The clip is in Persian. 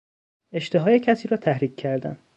اشتهای کسی را تحریک کردن